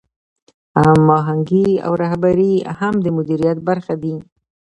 هماهنګي او رهبري هم د مدیریت برخې دي.